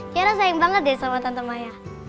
kira sayang banget deh sama tante maya